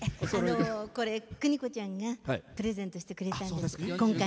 これ、邦子ちゃんがプレゼントしてくれたんです。